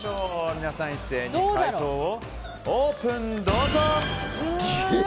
皆さん一斉に回答をオープン。